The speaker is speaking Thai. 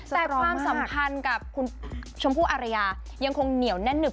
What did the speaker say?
แต่ความสัมพันธ์กับคุณชมพู่อารยายังคงเหนียวแน่นหนึบ